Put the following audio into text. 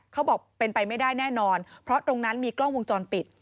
เขาบอกเป็นไปไม่ได้แน่นอนเพราะตรงนั้นมีกล้องวงจรปิด